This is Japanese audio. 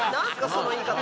その言い方。